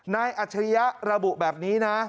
อัจฉริยะระบุแบบนี้นะ